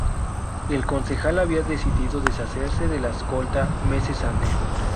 El concejal había decidido deshacerse de la escolta meses antes.